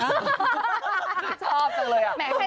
ชอบจังเลย